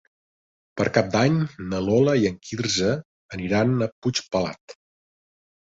Per Cap d'Any na Lola i en Quirze aniran a Puigpelat.